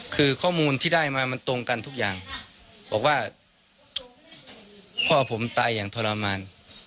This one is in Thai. คือข้อมูลที่ได้มามันตรงกันทุกอย่างบอกว่าพ่อผมตายอย่างทรมาน